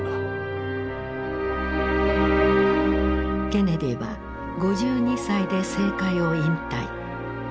ケネディは５２歳で政界を引退。